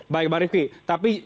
baik barifi tapi